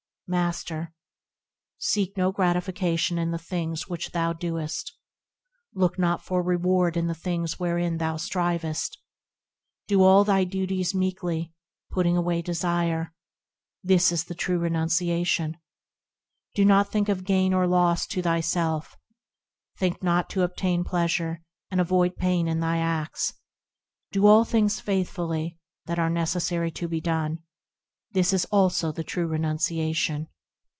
Master. Seek no gratification in the things which thou doest ; Look not for reward in the things wherein thou strivest ; Do all thy duties meekly, putting away desire– This is the true renunciation. Do not think of gain or loss to thyself ,– Think not to obtain pleasure and avoid pain in thy acts ; Do all things faithfully that are necessary to be done– This also is the true renunciation.